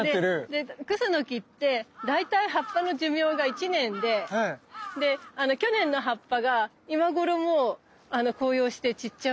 でクスノキって大体葉っぱの寿命が１年で去年の葉っぱが今頃もう紅葉して散っちゃうわけ。